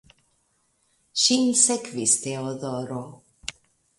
Ŝin sekvis Teodoro.